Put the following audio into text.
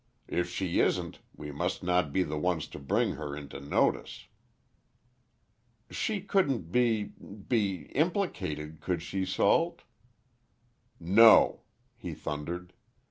If she isn't, we must not be the ones to bring her into notice." "She couldn't be—be implicated—could she, Salt?" "No!" he thundered.